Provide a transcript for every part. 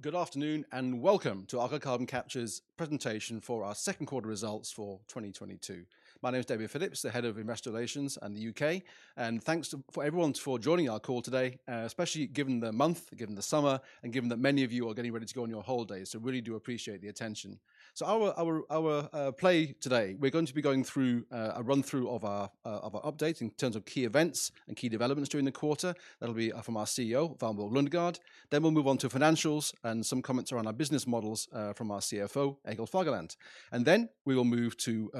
Good afternoon, and welcome to Aker Carbon Capture's presentation for our second quarter results for 2022. My name is David Phillips, the head of Investor Relations in the UK, and thanks to everyone for joining our call today, especially given the month, given the summer, and given that many of you are getting ready to go on your holidays. Really do appreciate the attention. Our plan today, we're going to be going through a run-through of our updates in terms of key events and key developments during the quarter. That'll be from our CEO, Valborg Lundegaard, then we'll move on to financials and some comments around our business models from our CFO, Egil Fagerland. Then we will move to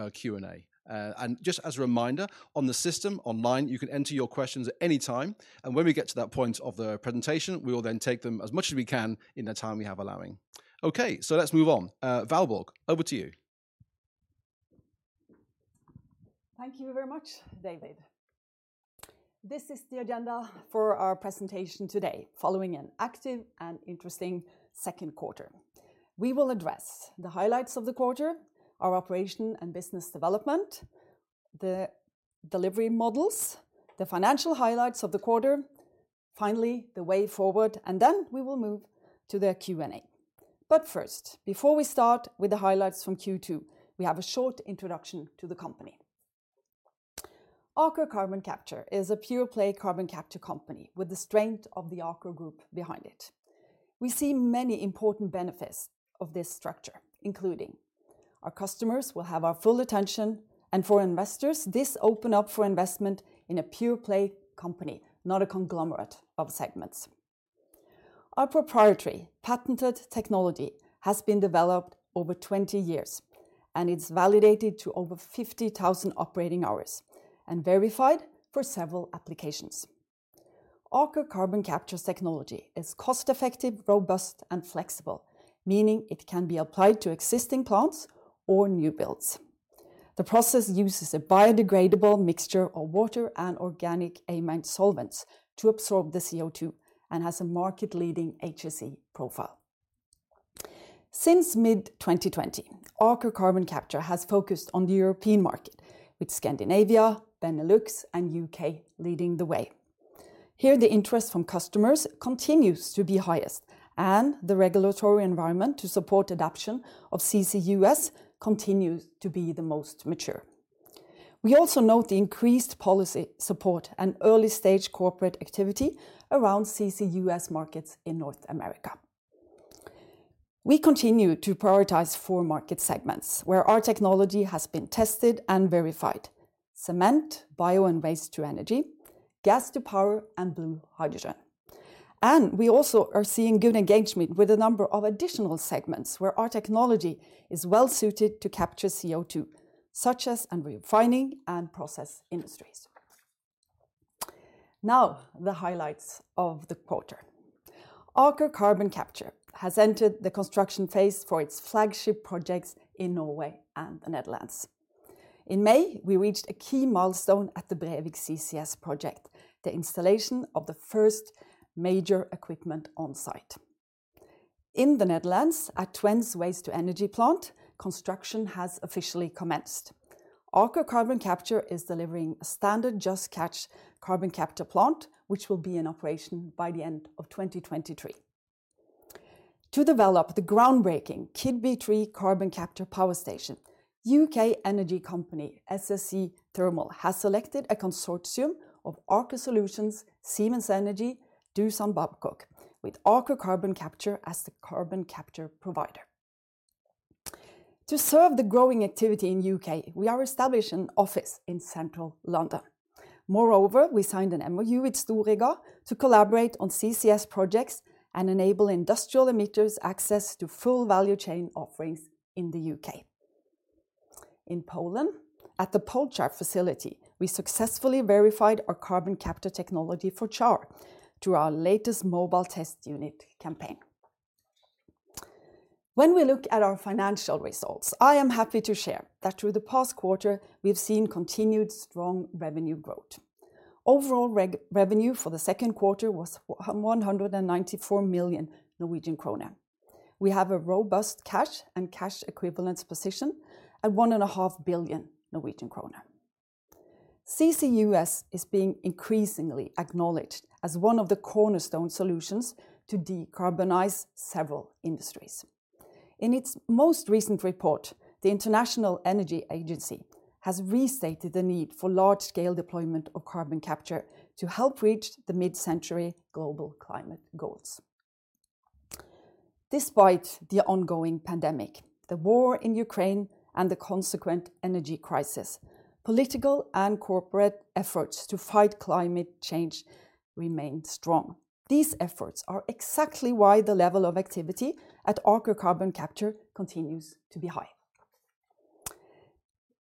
Q&A. Just as a reminder, on the system online, you can enter your questions at any time, and when we get to that point of the presentation, we will then take them as much as we can in the time we have allowed. Okay, let's move on. Valborg, over to you. Thank you very much, David. This is the agenda for our presentation today, following an active and interesting second quarter. We will address the highlights of the quarter, our operation and business development, the delivery models, the financial highlights of the quarter, finally, the way forward, and then we will move to the Q&A. First, before we start with the highlights from Q2, we have a short introduction to the company. Aker Carbon Capture is a pure-play carbon capture company with the strength of the Aker group behind it. We see many important benefits of this structure, including our customers will have our full attention, and for investors, this open up for investment in a pure-play company, not a conglomerate of segments. Our proprietary patented technology has been developed over 20 years, and it's validated to over 50,000 operating hours and verified for several applications. Aker Carbon Capture's technology is cost-effective, robust, and flexible, meaning it can be applied to existing plants or new builds. The process uses a biodegradable mixture of water and organic amine solvents to absorb the CO2 and has a market-leading HSE profile. Since mid-2020, Aker Carbon Capture has focused on the European market with Scandinavia, Benelux, and UK leading the way. Here, the interest from customers continues to be highest, and the regulatory environment to support adoption of CCUS continues to be the most mature. We also note the increased policy support and early-stage corporate activity around CCUS markets in North America. We continue to prioritize four market segments where our technology has been tested and verified. Cement, bio and waste-to-energy, gas-to-power, and blue hydrogen. We also are seeing good engagement with a number of additional segments where our technology is well suited to capture CO2, such as in refining and process industries. Now, the highlights of the quarter. Aker Carbon Capture has entered the construction phase for its flagship projects in Norway and the Netherlands. In May, we reached a key milestone at the Brevik CCS project, the installation of the first major equipment on site. In the Netherlands, at Twence's waste-to-energy plant, construction has officially commenced. Aker Carbon Capture is delivering a standard Just Catch carbon capture plant which will be in operation by the end of 2023. To develop the groundbreaking Keadby 3 carbon capture power station, UK energy company SSE Thermal has selected a consortium of Aker Solutions, Siemens Energy, Doosan Babcock, with Aker Carbon Capture as the carbon capture provider. To serve the growing activity in UK, we are establishing an office in central London. Moreover, we signed an MoU with Storegga to collaborate on CCS projects and enable industrial emitters access to full value chain offerings in the UK. In Poland, at the Polchar facility, we successfully verified our carbon capture technology for char through our latest mobile test unit campaign. When we look at our financial results, I am happy to share that through the past quarter, we have seen continued strong revenue growth. Overall revenue for the second quarter was 194 million Norwegian krone. We have a robust cash and cash equivalents position at 1.5 billion Norwegian kroner. CCUS is being increasingly acknowledged as one of the cornerstone solutions to decarbonize several industries. In its most recent report, the International Energy Agency has restated the need for large-scale deployment of carbon capture to help reach the mid-century global climate goals. Despite the ongoing pandemic, the war in Ukraine and the consequent energy crisis, political and corporate efforts to fight climate change remain strong. These efforts are exactly why the level of activity at Aker Carbon Capture continues to be high.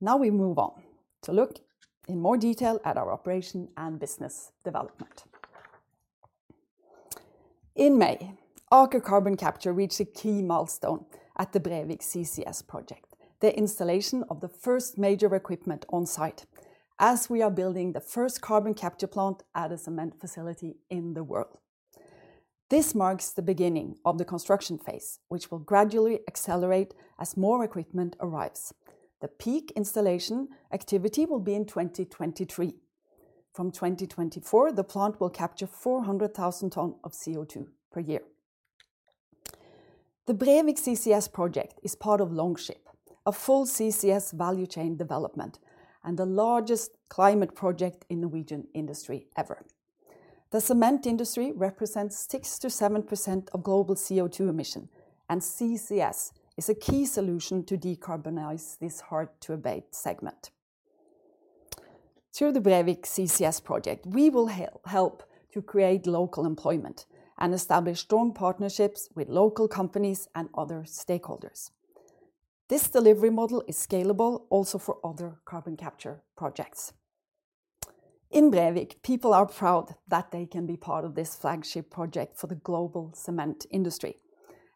Now we move on to look in more detail at our operation and business development. In May, Aker Carbon Capture reached a key milestone at the Brevik CCS project, the installation of the first major equipment on site as we are building the first carbon capture plant at a cement facility in the world. This marks the beginning of the construction phase, which will gradually accelerate as more equipment arrives. The peak installation activity will be in 2023. From 2024, the plant will capture 400,000 tons of CO2 per year. The Brevik CCS project is part of Longship, a full CCS value chain development and the largest climate project in Norwegian industry ever. The cement industry represents 6%-7% of global CO2 emissions, and CCS is a key solution to decarbonize this hard-to-abate segment. Through the Brevik CCS project, we will help to create local employment and establish strong partnerships with local companies and other stakeholders. This delivery model is scalable also for other carbon capture projects. In Brevik, people are proud that they can be part of this flagship project for the global cement industry,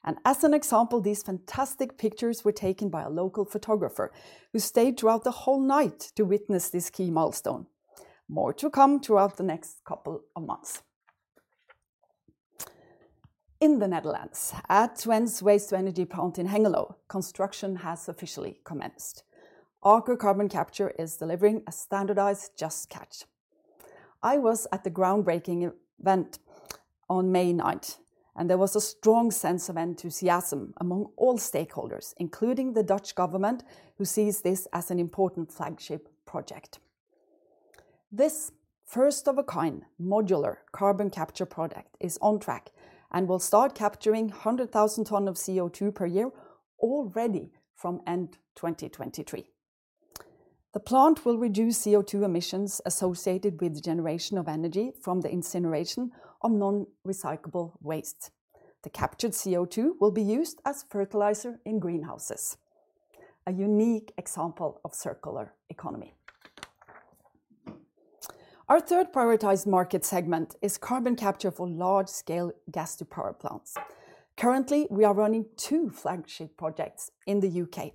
and as an example, these fantastic pictures were taken by a local photographer who stayed throughout the whole night to witness this key milestone. More to come throughout the next couple of months. In the Netherlands, at Twence's waste to energy plant in Hengelo, construction has officially commenced. Aker Carbon Capture is delivering a standardized Just Catch. I was at the groundbreaking event on May 9th, and there was a strong sense of enthusiasm among all stakeholders, including the Dutch government, who sees this as an important flagship project. This first-of-a-kind modular carbon capture project is on track and will start capturing 100,000 tons of CO2 per year already from end 2023. The plant will reduce CO2 emissions associated with the generation of energy from the incineration of non-recyclable waste. The captured CO2 will be used as fertilizer in greenhouses, a unique example of circular economy. Our third prioritized market segment is carbon capture for large-scale gas to power plants. Currently, we are running two flagship projects in the UK.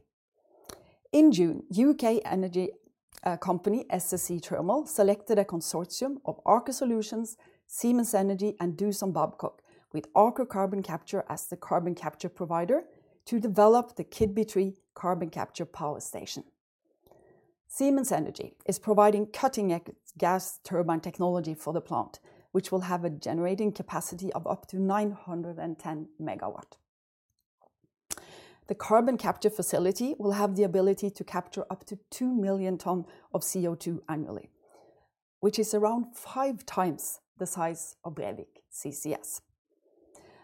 In June, UK energy company SSE Thermal selected a consortium of Aker Solutions, Siemens Energy, and Doosan Babcock, with Aker Carbon Capture as the carbon capture provider to develop the Keadby 3 carbon capture power station. Siemens Energy is providing cutting-edge gas turbine technology for the plant, which will have a generating capacity of up to 910 MW. The carbon capture facility will have the ability to capture up to 2 million tons of CO2 annually, which is around five times the size of Brevik CCS.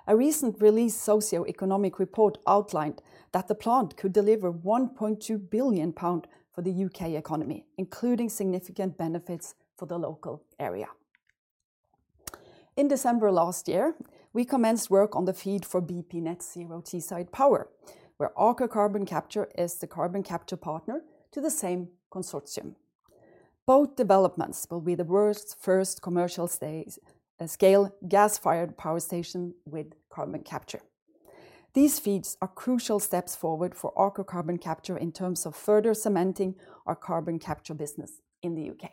A recently released socioeconomic report outlined that the plant could deliver 1.2 billion pound for the UK economy, including significant benefits for the local area. In December last year, we commenced work on the FEED for BP Net Zero Teesside Power, where Aker Carbon Capture is the carbon capture partner to the same consortium. Both developments will be the world's first commercial scale gas-fired power station with carbon capture. These FEEDs are crucial steps forward for Aker Carbon Capture in terms of further cementing our carbon capture business in the UK.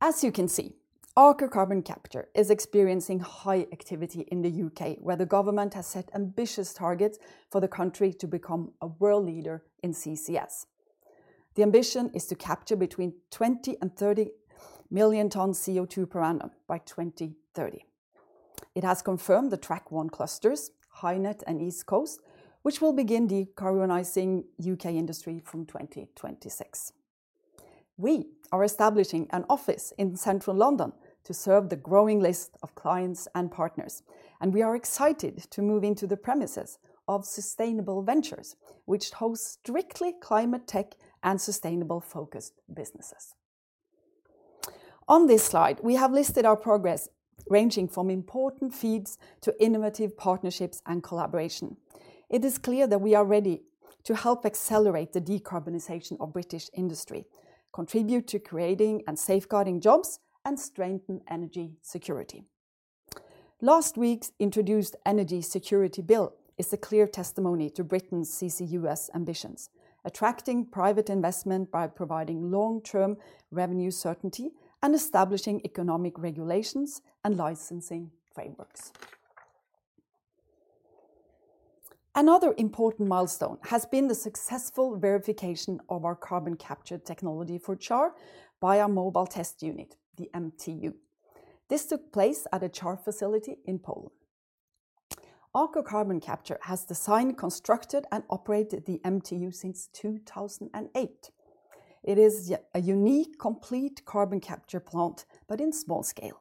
As you can see, Aker Carbon Capture is experiencing high activity in the UK, where the government has set ambitious targets for the country to become a world leader in CCS. The ambition is to capture between 20-30 million tons CO2 per annum by 2030. It has confirmed the Track-1 clusters, HyNet and East Coast, which will begin decarbonizing UK industry from 2026. We are establishing an office in central London to serve the growing list of clients and partners, and we are excited to move into the premises of Sustainable Ventures, which hosts strictly climate tech and sustainable focused businesses. On this slide, we have listed our progress, ranging from important FEEDs to innovative partnerships and collaboration. It is clear that we are ready to help accelerate the decarbonization of British industry, contribute to creating and safeguarding jobs, and strengthen energy security. Last week's introduced Energy Security Bill is a clear testimony to Britain's CCUS ambitions, attracting private investment by providing long-term revenue certainty and establishing economic regulations and licensing frameworks. Another important milestone has been the successful verification of our carbon capture technology for char by our Mobile Test Unit, the MTU. This took place at a char facility in Poland. Aker Carbon Capture has designed, constructed, and operated the MTU since 2008. It is a unique complete carbon capture plant but in small scale.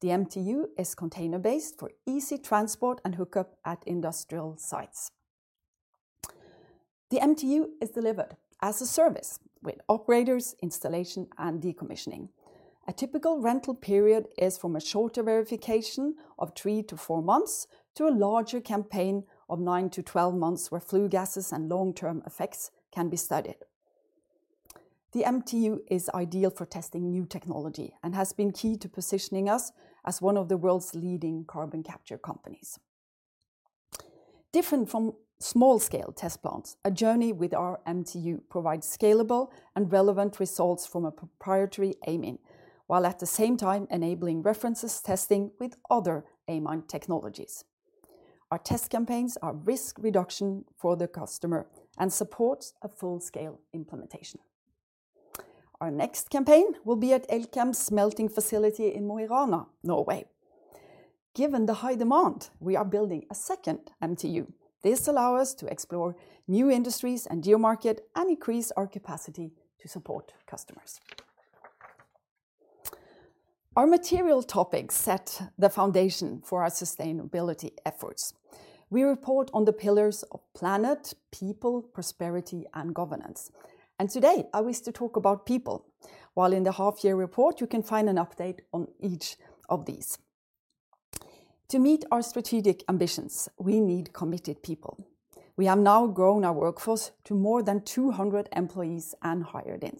The MTU is container-based for easy transport and hookup at industrial sites. The MTU is delivered as a service with operators, installation, and decommissioning. A typical rental period is from a shorter verification of 3-4 months to a larger campaign of 9-12 months where flue gases and long-term effects can be studied. The MTU is ideal for testing new technology and has been key to positioning us as one of the world's leading carbon capture companies. Different from small-scale test plants, a journey with our MTU provides scalable and relevant results from a proprietary amine, while at the same time enabling references testing with other amine technologies. Our test campaigns are risk reduction for the customer and supports a full-scale implementation. Our next campaign will be at Elkem's smelting facility in Mo i Rana, Norway. Given the high demand, we are building a second MTU. This allows us to explore new industries and geographic markets and increase our capacity to support customers. Our material topics set the foundation for our sustainability efforts. We report on the pillars of planet, people, prosperity, and governance. Today, I wish to talk about people. While in the half-year report, you can find an update on each of these. To meet our strategic ambitions, we need committed people. We have now grown our workforce to more than 200 employees and hired in.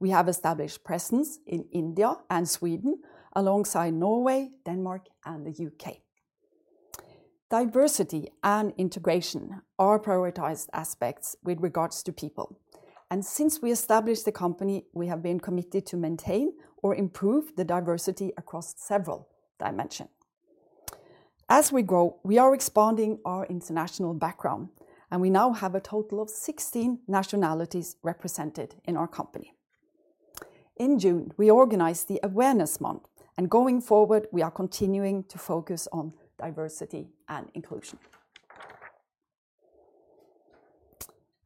We have established presence in India and Sweden, alongside Norway, Denmark, and the UK. Diversity and integration are prioritized aspects with regards to people. Since we established the company, we have been committed to maintain or improve the diversity across several dimensions. As we grow, we are expanding our international background, and we now have a total of 16 nationalities represented in our company. In June, we organized the awareness month, and going forward, we are continuing to focus on diversity and inclusion.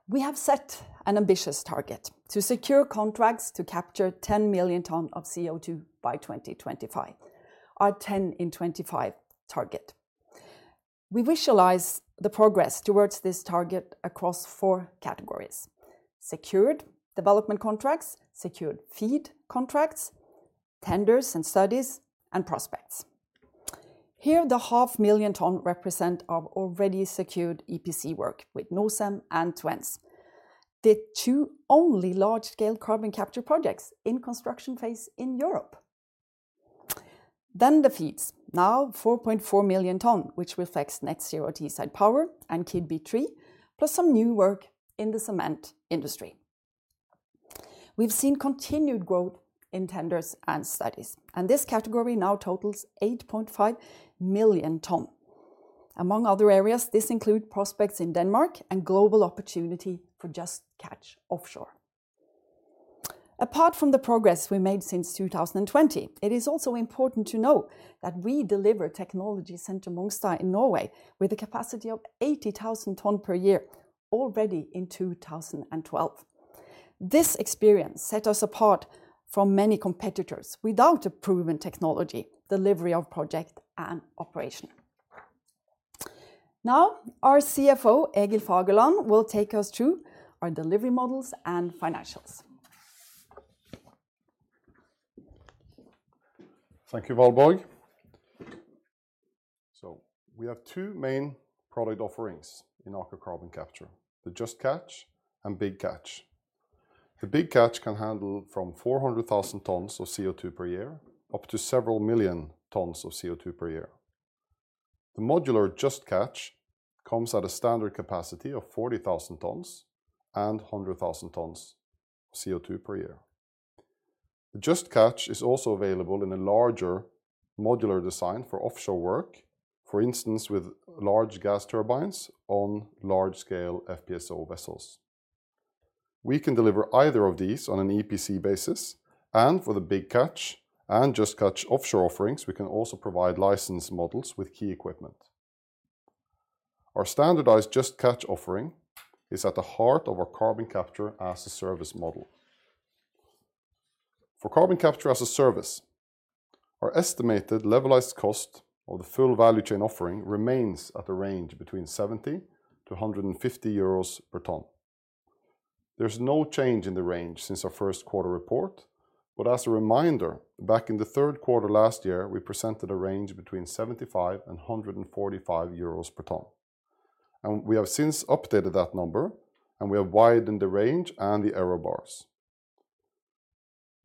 We have set an ambitious target to secure contracts to capture 10 million tons of CO2 by 2025, our 10 by 25 target. We visualize the progress towards this target across four categories, secured development contracts, secured FEED contracts, tenders and studies, and prospects. Here, the 0.5 million tons represent our already secured EPC work with Norcem and Twence, the two only large-scale carbon capture projects in construction phase in Europe. Then the FEEDs, now 4.4 million tons, which reflects Net Zero Teesside Power and Keadby 3, plus some new work in the cement industry. We've seen continued growth in tenders and studies, and this category now totals 8.5 million tons. Among other areas, this include prospects in Denmark and global opportunity for Just Catch Offshore. Apart from the progress we made since 2020, it is also important to know that we delivered Technology Center Mongstad in Norway with a capacity of 80,000 tons per year already in 2012. This experience sets us apart from many competitors without a proven technology, delivery of projects, and operation. Now, our CFO, Egil Fagerland, will take us through our delivery models and financials. Thank you, Valborg. We have two main product offerings in Aker Carbon Capture, the Just Catch and Big Catch. The Big Catch can handle from 400,000 tons of CO2 per year up to several million tons of CO2 per year. The modular Just Catch comes at a standard capacity of 40,000 tons and 100,000 tons CO2 per year. Just Catch is also available in a larger modular design for offshore work, for instance, with large gas turbines on large-scale FPSO vessels. We can deliver either of these on an EPC basis, and for the Big Catch and Just Catch Offshore offerings, we can also provide license models with key equipment. Our standardized Just Catch offering is at the heart of our carbon capture as a service model. For Carbon Capture as a Service, our estimated levelized cost of the full value chain offering remains at a range between 70-150 euros per ton. There's no change in the range since our first quarter report, but as a reminder, back in the third quarter last year, we presented a range between 75 and 145 euros per ton. We have since updated that number, and we have widened the range and the error bars.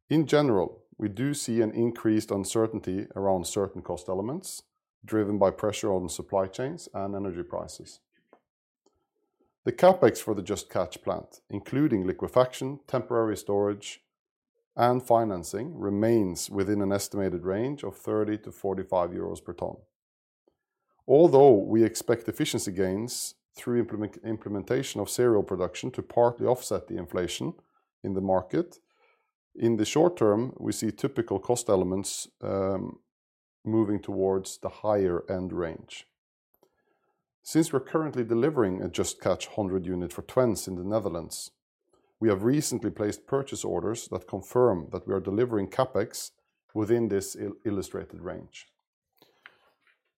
In general, we do see an increased uncertainty around certain cost elements driven by pressure on supply chains and energy prices. The CapEx for the Just Catch plant, including liquefaction, temporary storage, and financing, remains within an estimated range of 30-45 euros per ton. Although we expect efficiency gains through implementation of serial production to partly offset the inflation in the market, in the short term, we see typical cost elements moving towards the higher-end range. Since we're currently delivering a Just Catch 100 unit for Twence in the Netherlands, we have recently placed purchase orders that confirm that we are delivering CapEx within this illustrated range.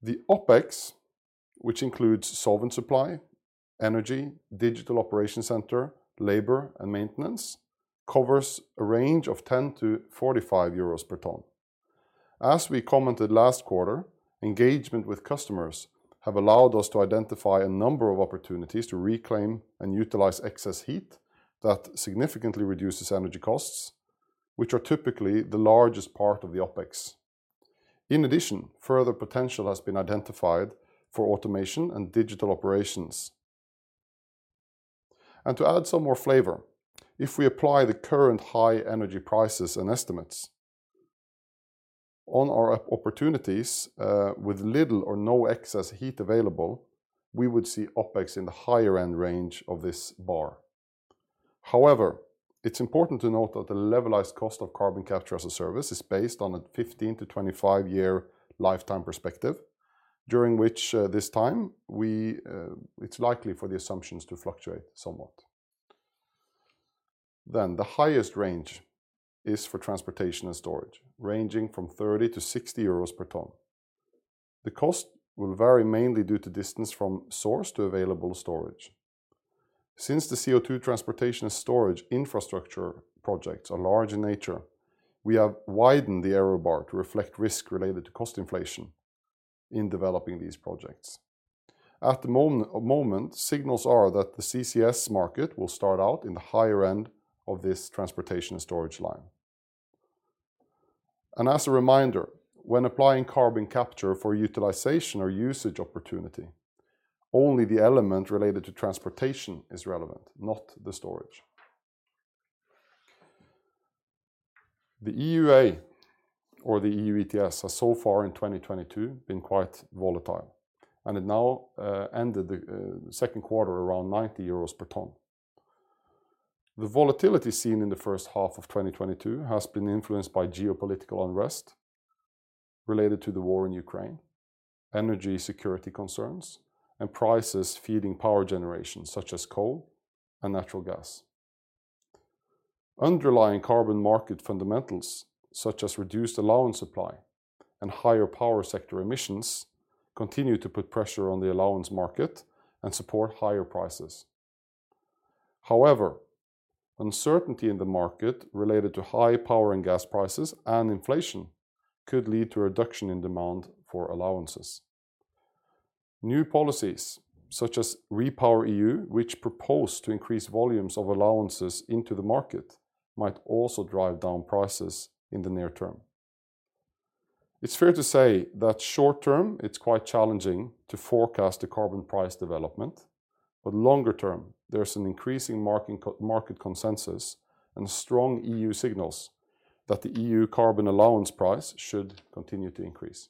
The OpEx, which includes solvent supply, energy, digital operation center, labor, and maintenance, covers a range of 10-45 euros per ton. As we commented last quarter, engagement with customers have allowed us to identify a number of opportunities to reclaim and utilize excess heat that significantly reduces energy costs, which are typically the largest part of the OpEx. In addition, further potential has been identified for automation and digital operations. To add some more flavor, if we apply the current high energy prices and estimates on our opportunities, with little or no excess heat available, we would see OpEx in the higher end range of this bar. However, it's important to note that the levelized cost of carbon capture as a service is based on a 15-25 year lifetime perspective, during which it's likely for the assumptions to fluctuate somewhat. The highest range is for transportation and storage, ranging from 30-60 euros per ton. The cost will vary mainly due to distance from source to available storage. Since the CO2 transportation and storage infrastructure projects are large in nature, we have widened the error bar to reflect risk related to cost inflation in developing these projects. At the moment, signals are that the CCS market will start out in the higher end of this transportation and storage line. As a reminder, when applying carbon capture for utilization or usage opportunity, only the element related to transportation is relevant, not the storage. The EUA or the EU ETS has so far in 2022 been quite volatile, and it now ended the second quarter around 90 euros per ton. The volatility seen in the first half of 2022 has been influenced by geopolitical unrest related to the war in Ukraine, energy security concerns and prices feeding power generations such as coal and natural gas. Underlying carbon market fundamentals such as reduced allowance supply and higher power sector emissions continue to put pressure on the allowance market and support higher prices. However, uncertainty in the market related to high power and gas prices and inflation could lead to a reduction in demand for allowances. New policies such as REPowerEU, which propose to increase volumes of allowances into the market, might also drive down prices in the near term. It's fair to say that short term it's quite challenging to forecast the carbon price development, but longer term there's an increasing market consensus and strong EU signals that the EU carbon allowance price should continue to increase.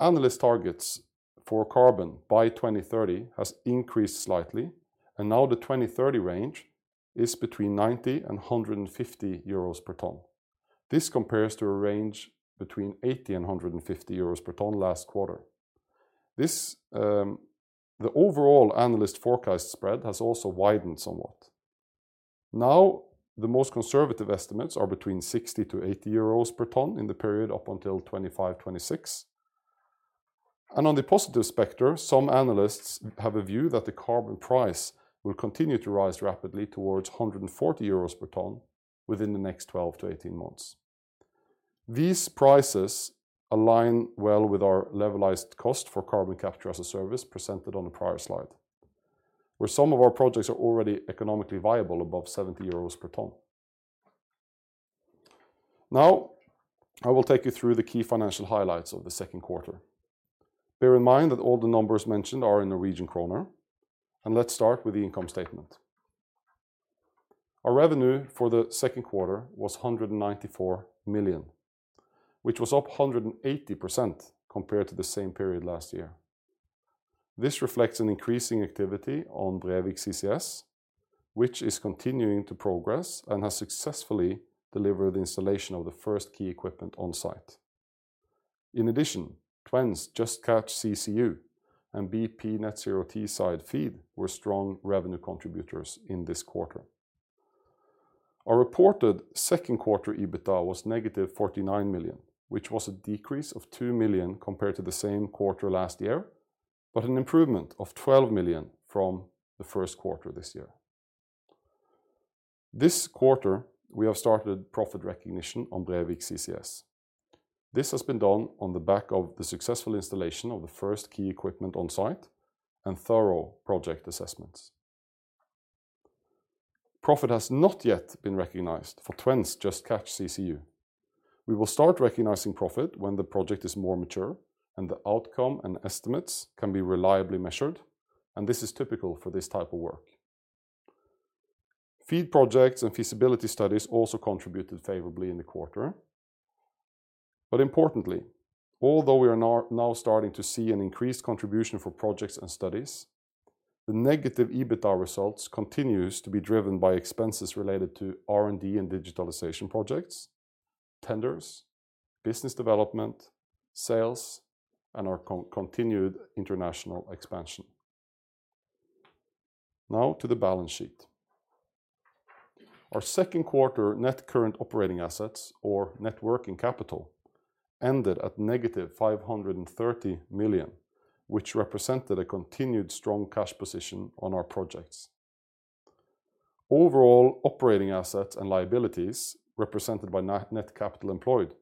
Analyst targets for carbon by 2030 has increased slightly, and now the 2030 range is between 90 per ton and 150 euros per ton. This compares to a range between 80 per ton and 150 euros per ton last quarter. This, the overall analyst forecast spread has also widened somewhat. Now, the most conservative estimates are between 60-80 euros per ton in the period up until 2025, 2026. On the positive spectrum, some analysts have a view that the carbon price will continue to rise rapidly towards 140 euros per ton within the next 12-18 months. These prices align well with our levelized cost for carbon capture as a service presented on the prior slide, where some of our projects are already economically viable above 70 euros per ton. Now, I will take you through the key financial highlights of the second quarter. Bear in mind that all the numbers mentioned are in NOK, and let's start with the income statement. Our revenue for the second quarter was 194 million, which was up 180% compared to the same period last year. This reflects an increasing activity on Brevik CCS, which is continuing to progress and has successfully delivered installation of the first key equipment on site. In addition, Twence's Just Catch CCU and BP Net Zero Teesside FEED were strong revenue contributors in this quarter. Our reported second quarter EBITDA was -49 million, which was a decrease of 2 million compared to the same quarter last year, but an improvement of 12 million from the first quarter this year. This quarter, we have started profit recognition on Brevik CCS. This has been done on the back of the successful installation of the first key equipment on site and thorough project assessments. Profit has not yet been recognized for Twence's Just Catch CCU. We will start recognizing profit when the project is more mature and the outcome and estimates can be reliably measured, and this is typical for this type of work. FEED projects and feasibility studies also contributed favorably in the quarter. Importantly, although we are now starting to see an increased contribution for projects and studies, the negative EBITDA results continues to be driven by expenses related to R&D and digitalization projects, tenders, business development, sales, and our continued international expansion. Now to the balance sheet. Our second quarter net current operating assets or net working capital ended at -530 million, which represented a continued strong cash position on our projects. Overall operating assets and liabilities represented by net capital employed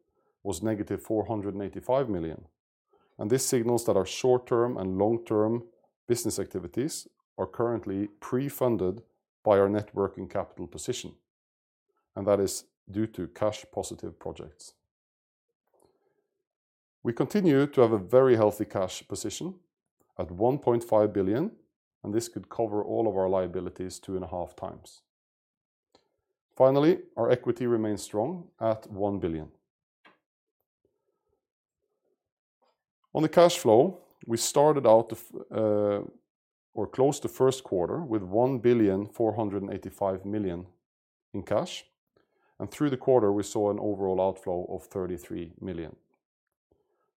was -485 million, and this signals that our short-term and long-term business activities are currently pre-funded by our net working capital position, and that is due to cash positive projects. We continue to have a very healthy cash position at 1.5 billion, and this could cover all of our liabilities 2.5 times. Finally, our equity remains strong at 1 billion. On the cash flow, we started out or close to first quarter with 1,485 million in cash, and through the quarter we saw an overall outflow of 33 million.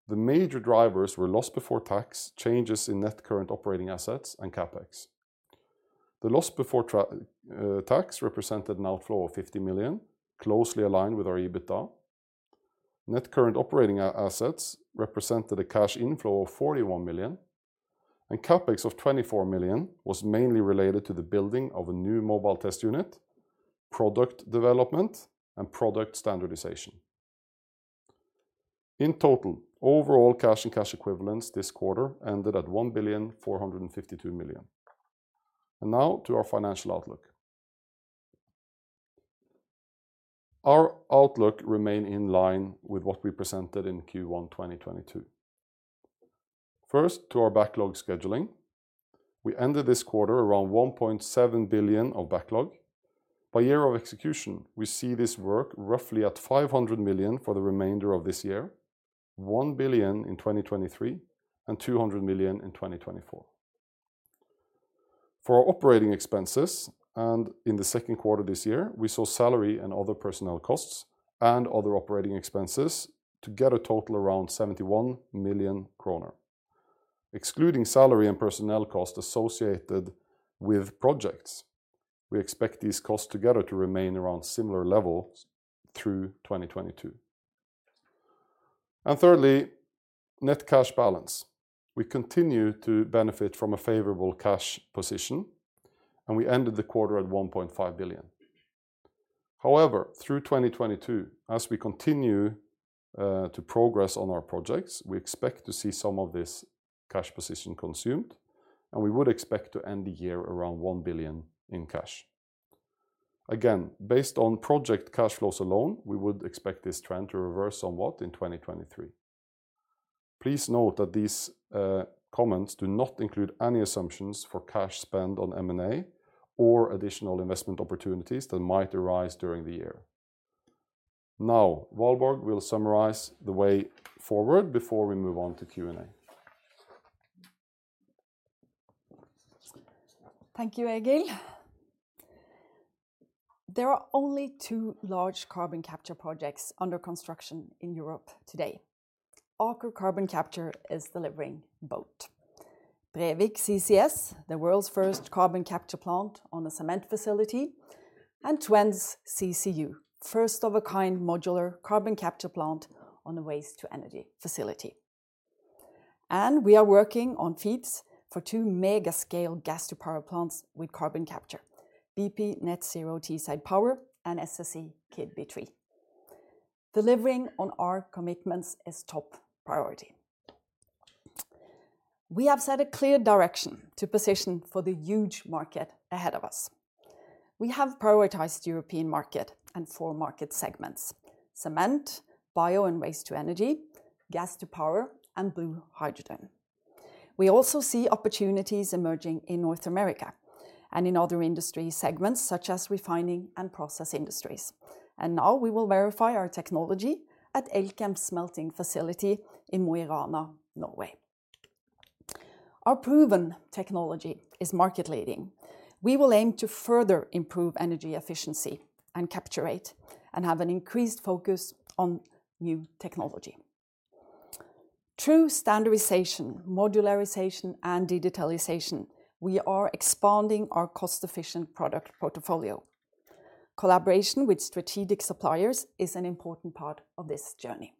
The major drivers were loss before tax, changes in net current operating assets and CapEx. The loss before tax represented an outflow of 50 million, closely aligned with our EBITDA. Net current operating assets represented a cash inflow of 41 million, and CapEx of 24 million was mainly related to the building of a new Mobile Test Unit, product development and product standardization. In total, overall cash and cash equivalents this quarter ended at 1,452 million. Now to our financial outlook. Our outlook remain in line with what we presented in Q1 2022. First, to our backlog scheduling. We ended this quarter around 1.7 billion of backlog. By year of execution, we see this work roughly at 500 million for the remainder of this year, 1 billion in 2023, and 200 million in 2024. For our operating expenses and in the second quarter this year, we saw salary and other personnel costs and other operating expenses to get a total around 71 million kroner. Excluding salary and personnel costs associated with projects, we expect these costs together to remain around similar levels through 2022. Thirdly, net cash balance. We continue to benefit from a favorable cash position, and we ended the quarter at 1.5 billion. However, through 2022, as we continue to progress on our projects, we expect to see some of this cash position consumed, and we would expect to end the year around 1 billion in cash. Again, based on project cash flows alone, we would expect this trend to reverse somewhat in 2023. Please note that these comments do not include any assumptions for cash spent on M&A or additional investment opportunities that might arise during the year. Now, Valborg will summarize the way forward before we move on to Q&A. Thank you, Egil. There are only two large carbon capture projects under construction in Europe today. Aker Carbon Capture is delivering both. Brevik CCS, the world's first carbon capture plant on a cement facility, and Twence's CCU, first of a kind modular carbon capture plant on a waste to energy facility. We are working on FEEDs for two mega scale gas to power plants with carbon capture, BP Net Zero Teesside Power and SSE Keadby 3. Delivering on our commitments is top priority. We have set a clear direction to position for the huge market ahead of us. We have prioritized European market and four market segments: cement, bio and waste to energy, gas to power, and blue hydrogen. We also see opportunities emerging in North America and in other industry segments such as refining and process industries. Now we will verify our technology at Elkem's smelting facility in Mo i Rana, Norway. Our proven technology is market leading. We will aim to further improve energy efficiency and capture rate, and have an increased focus on new technology. Through standardization, modularization, and digitalization, we are expanding our cost-efficient product portfolio. Collaboration with strategic suppliers is an important part of this journey.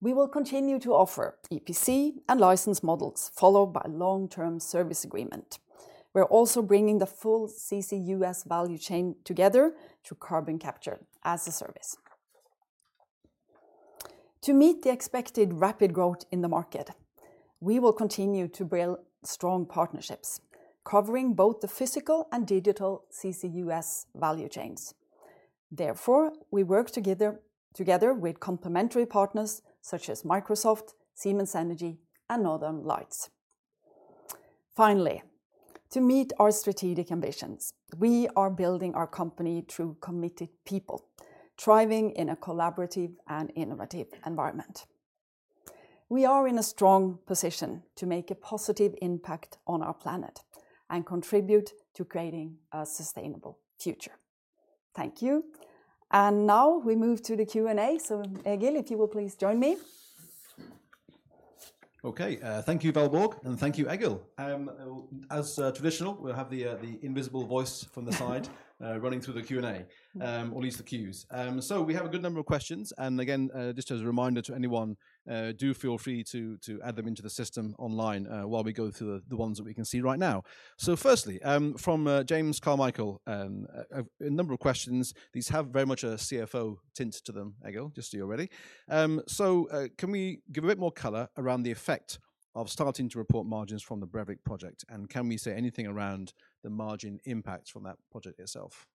We will continue to offer EPC and license models followed by long-term service agreement. We're also bringing the full CCUS value chain together through carbon capture as a service. To meet the expected rapid growth in the market, we will continue to build strong partnerships covering both the physical and digital CCUS value chains. Therefore, we work together with complementary partners such as Microsoft, Siemens Energy, and Northern Lights. Finally, to meet our strategic ambitions, we are building our company through committed people, thriving in a collaborative and innovative environment. We are in a strong position to make a positive impact on our planet and contribute to creating a sustainable future. Thank you. Now we move to the Q&A. Egil, if you will please join me. Okay. Thank you, Valborg, and thank you, Egil. As traditional, we'll have the invisible voice from the side running through the Q&A, or at least the Q's. We have a good number of questions, and again, just as a reminder to anyone, do feel free to add them into the system online while we go through the ones that we can see right now. Firstly, from James Carmichael, a number of questions. These have very much a CFO tint to them, Egil, just so you're ready. Can we give a bit more color around the effect of starting to report margins from the Brevik project? And can we say anything around the margin impact from that project itself?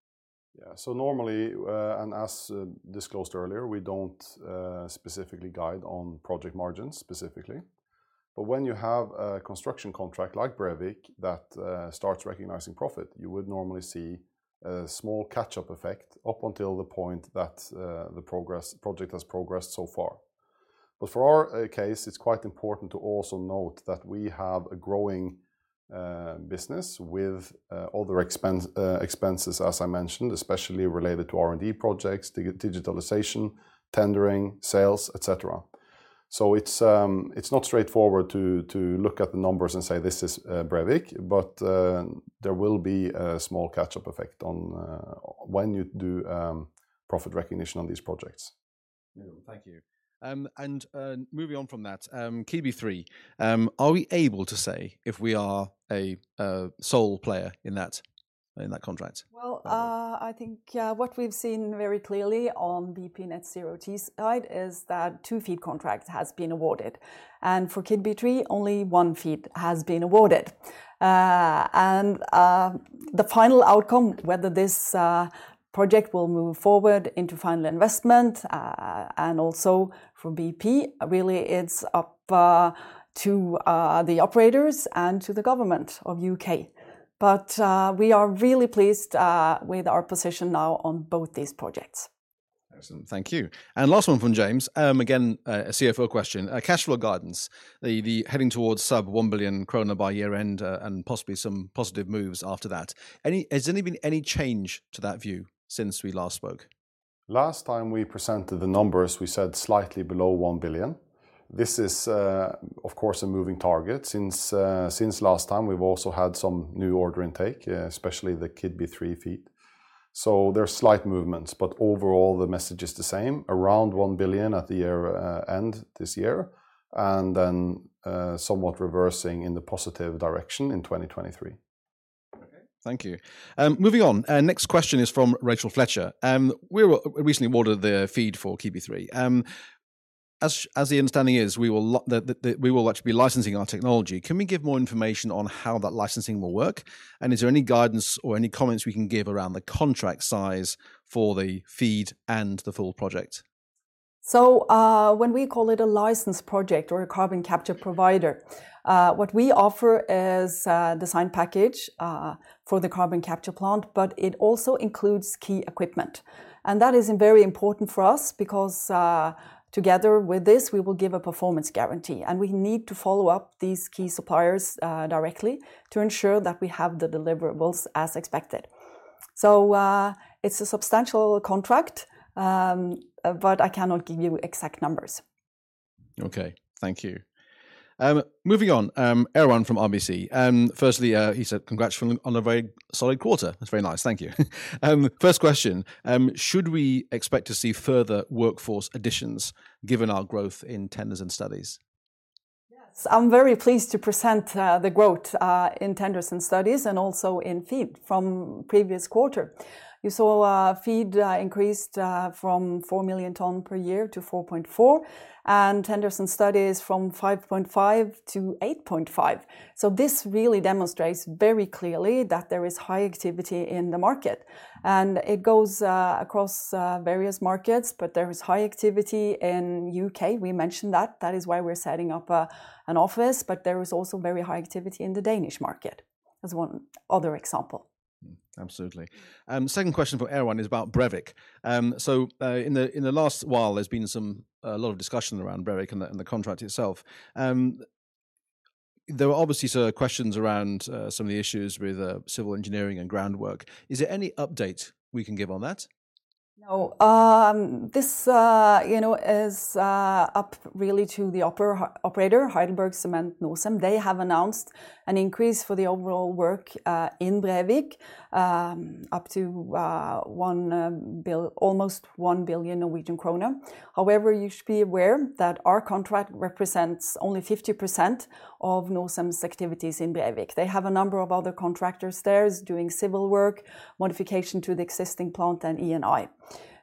Normally, and as disclosed earlier, we don't specifically guide on project margins specifically. When you have a construction contract like Brevik that starts recognizing profit, you would normally see a small catch-up effect up until the point that the project has progressed so far. For our case, it's quite important to also note that we have a growing business with other expenses, as I mentioned, especially related to R&D projects, digitalization, tendering, sales, et cetera. It's not straightforward to look at the numbers and say, "This is Brevik," but there will be a small catch-up effect on when you do profit recognition on these projects. Yeah. Thank you. Moving on from that, Keadby 3. Are we able to say if we are a sole player in that contract? Well, I think, yeah, what we've seen very clearly on BP Net Zero Teesside is that two FEED contracts has been awarded, and for Keadby 3, only one FEED has been awarded. The final outcome, whether this project will move forward into final investment, and also for BP, really it's up to the operators and to the government of UK. We are really pleased with our position now on both these projects. Excellent. Thank you. Last one from James, again, a CFO question. Cash flow guidance, the heading towards sub 1 billion krone by year-end, and possibly some positive moves after that. Has there been any change to that view since we last spoke? Last time we presented the numbers, we said slightly below 1 billion. This is, of course, a moving target. Since last time, we've also had some new order intake, especially the Keadby 3 FEED. There's slight movements, but overall, the message is the same, around 1 billion at the year end this year, and then, somewhat reversing in the positive direction in 2023. Okay. Thank you. Moving on. Our next question is from Rachel Fletcher. We recently awarded the FEED for Keadby 3. As the understanding is, we will actually be licensing our technology. Can we give more information on how that licensing will work, and is there any guidance or any comments we can give around the contract size for the FEED and the full project? When we call it a licensed project or a carbon capture provider, what we offer is a design package for the carbon capture plant, but it also includes key equipment. That is very important for us because together with this, we will give a performance guarantee, and we need to follow up these key suppliers directly to ensure that we have the deliverables as expected. It's a substantial contract, but I cannot give you exact numbers. Okay. Thank you. Moving on, Erwan from RBC. Firstly, he said, "Congrats on a very solid quarter." That's very nice. Thank you. First question, should we expect to see further workforce additions given our growth in tenders and studies? Yes. I'm very pleased to present the growth in tenders and studies and also in FEED from previous quarter. You saw FEED increased from 4 million tons per year to 4.4, and tenders and studies from 5.5 to 8.5. This really demonstrates very clearly that there is high activity in the market, and it goes across various markets, but there is high activity in the UK. We mentioned that. That is why we're setting up an office, but there is also very high activity in the Danish market, as one other example. Absolutely. Second question from Erwan is about Brevik. In the last while, there's been a lot of discussion around Brevik and the contract itself. There were obviously sort of questions around some of the issues with civil engineering and groundwork. Is there any update we can give on that? No. This you know is up really to the operator, Heidelberg Materials Norcem. They have announced an increase for the overall work in Brevik up to almost 1 billion Norwegian krone. However, you should be aware that our contract represents only 50% of Norcem's activities in Brevik. They have a number of other contractors there doing civil work, modification to the existing plant, and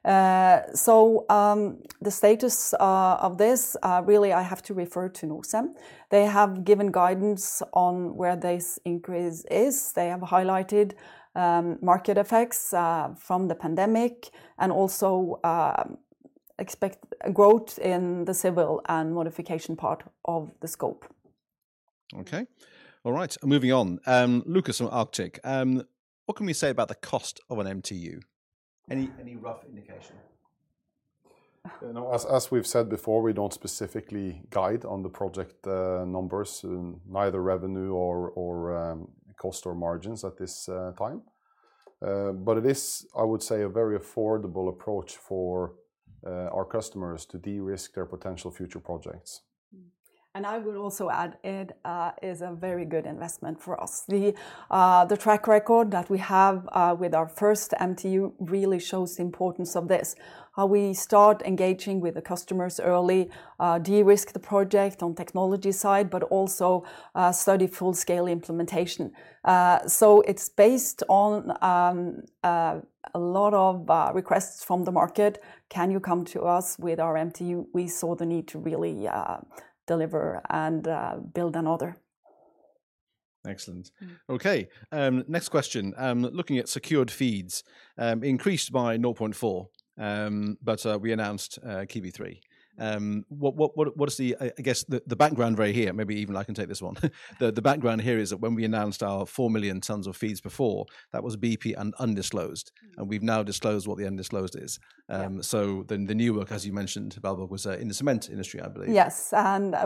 E&I. The status of this really I have to refer to Norcem. They have given guidance on where this increase is. They have highlighted market effects from the pandemic and also expect growth in the civil and modification part of the scope. Okay. All right. Moving on, Lukas from Arctic. What can we say about the cost of an MTU? Any rough indication? You know, as we've said before, we don't specifically guide on the project numbers, neither revenue or cost or margins at this time. It is, I would say, a very affordable approach for our customers to de-risk their potential future projects. I would also add it is a very good investment for us. The track record that we have with our first MTU really shows the importance of this, how we start engaging with the customers early, de-risk the project on technology side, but also study full-scale implementation. It is based on a lot of requests from the market, "Can you come to us with our MTU?" We saw the need to really deliver and build another. Excellent. Okay. Next question. Looking at secured FEEDs, increased by 0.4, but we announced a FEED. What is the background right here, maybe even I can take this one. The background here is that when we announced our 4 million tons of FEEDs before, that was BP and undisclosed. We've now disclosed what the undisclosed is. The new work, as you mentioned, Valborg, was in the cement industry, I believe. Yes.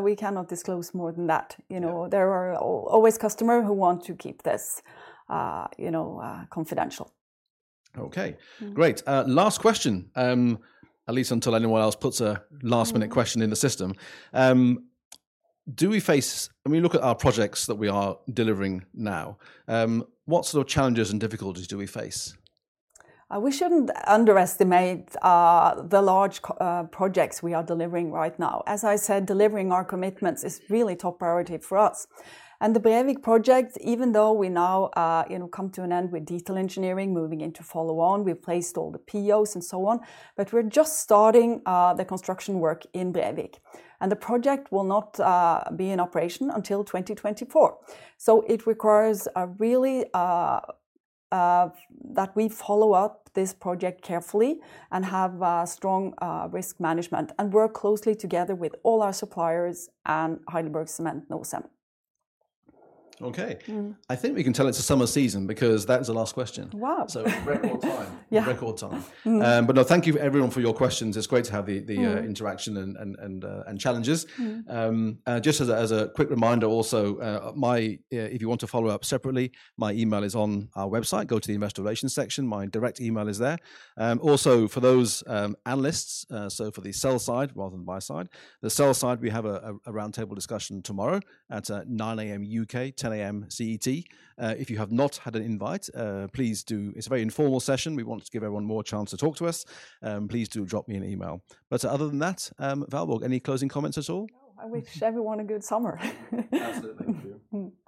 We cannot disclose more than that, you know. There are always customer who want to keep this, you know, confidential. Okay. Great. Last question. At least until anyone else puts a last minute question in the system, When we look at our projects that we are delivering now, what sort of challenges and difficulties do we face? We shouldn't underestimate the large projects we are delivering right now. As I said, delivering our commitments is really top priority for us. The Brevik project, even though we now, you know, come to an end with detail engineering, moving into follow on, we placed all the POs and so on, but we're just starting the construction work in Brevik. The project will not be in operation until 2024. It requires really that we follow up this project carefully and have strong risk management and work closely together with all our suppliers and Heidelberg Materials Norcem. Okay. I think we can tell it's a summer season because that was the last question. Wow. Record time. Yeah. Record time. No, thank you everyone for your questions. It's great to have the interaction and challenges. Just as a quick reminder also, if you want to follow up separately, my email is on our website. Go to the investor relations section. My direct email is there. Also for those analysts, so for the sell side rather than buy side, we have a round table discussion tomorrow at 9:00 A.M. UK, 10:00 A.M. CET. If you have not had an invite, please do. It's a very informal session. We want to give everyone more chance to talk to us. Please do drop me an email. Other than that, Valborg, any closing comments at all? No. I wish everyone a good summer. Absolutely. Thank you.